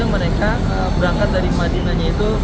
mereka berangkat dari madinahnya itu